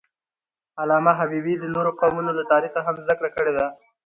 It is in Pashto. علامه حبیبي د نورو قومونو له تاریخه هم زدهکړه کړې ده.